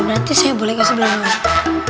berarti saya boleh ke sebelah belah